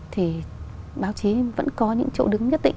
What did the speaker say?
thì báo chí vẫn có những chỗ đứng nhất định